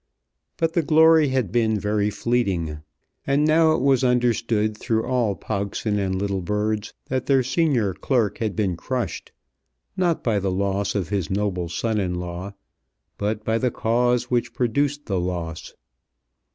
But the glory had been very fleeting. And now it was understood through all Pogson and Littlebird's that their senior clerk had been crushed, not by the loss of his noble son in law, but by the cause which produced the loss.